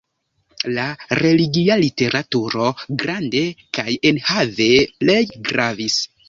La religia literaturo grande kaj enhave plej gravis.